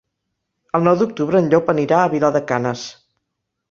El nou d'octubre en Llop anirà a Vilar de Canes.